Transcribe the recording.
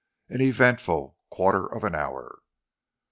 AN EVENTFUL QUARTER OF AN HOUR.